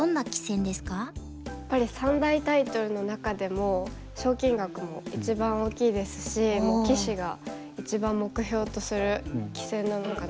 やっぱり三大タイトルの中でも賞金額も一番大きいですし棋士が一番目標とする棋戦なのかなと思います。